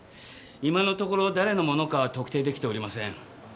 今のところ誰のものかは特定出来ておりません。